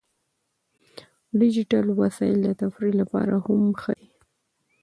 ډیجیټل وسایل د تفریح لپاره هم ښه دي.